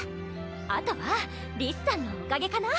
あとはリスさんのおかげかな